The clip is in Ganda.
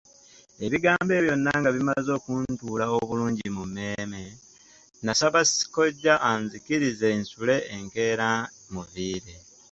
Ebigambo ebyo byonna nga bimaze okuntuula mu mmeeme, nasaba kkojja anzikirize nsule enkeera mmuviire.